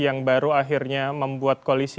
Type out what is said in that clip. yang baru akhirnya membuat koalisi